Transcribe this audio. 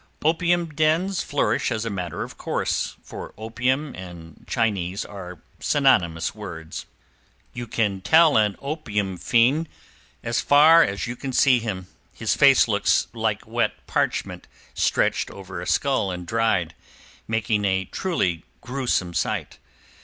Opium dens flourish as a matter of course, for opium and Chinese are synonymous words. You can tell an opium fiend as far as you can see him; his face looks like wet parchment stretched over a skull and dried, making a truly gruesome sight.